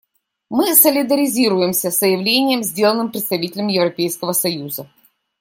Мы солидаризируемся с заявлением, сделанным представителем Европейского союза.